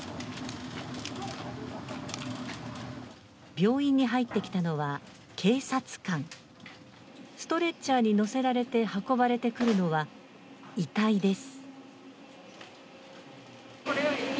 病院に入ってきたのは、警察官ストレッチャーに乗せられて運ばれてくるのは遺体です。